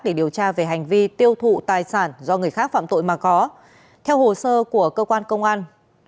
để điều tra về hành vi tiêu thụ tài sản do người khác phạm tội mà có theo hồ sơ của cơ quan công an